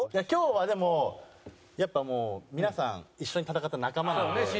今日はでもやっぱもう皆さん一緒に戦った仲間なので。